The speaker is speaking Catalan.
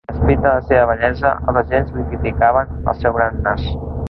A despit de la seva bellesa, els agents li criticaven el seu gran nas.